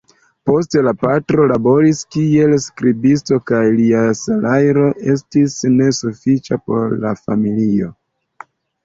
Poste la patro laboris kiel skribisto kaj lia salajro estis nesufiĉa por la familio.